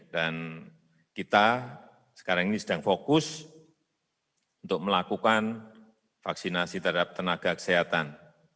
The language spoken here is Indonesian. dan kita sekarang ini sedang fokus untuk melakukan vaksinasi terhadap tenaga kesehatan